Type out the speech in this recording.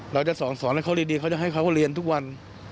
เราจะสอนให้เขาดีเขาจะให้เขาเรียนทุกวัน